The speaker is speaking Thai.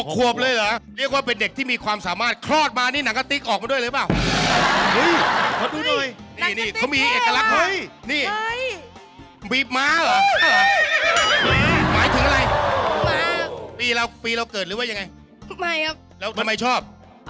คุณตาสวัสดีครับ